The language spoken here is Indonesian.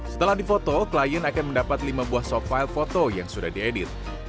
setelah difoto klien akan mendapat lima buah soft file foto yang sudah diedit